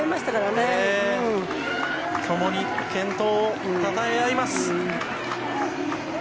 共に健闘をたたえ合います。